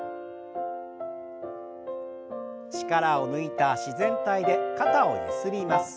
力を抜いた自然体で肩をゆすります。